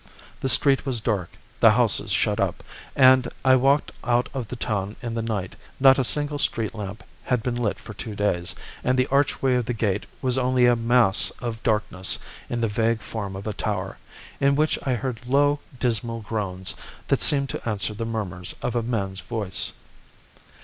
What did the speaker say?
The street was dark, the houses shut up, and I walked out of the town in the night. Not a single street lamp had been lit for two days, and the archway of the gate was only a mass of darkness in the vague form of a tower, in which I heard low, dismal groans, that seemed to answer the murmurs of a man's voice.